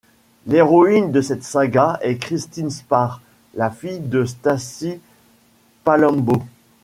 L'héroïne de cette saga est Christine Spar, la fille de Stacy Palumbo.